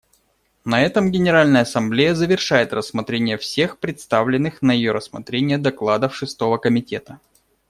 На этом Генеральная Ассамблея завершает рассмотрение всех представленных на ее рассмотрение докладов Шестого комитета.